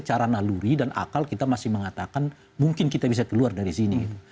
karena luri dan akal kita masih mengatakan mungkin kita bisa keluar dari sini gitu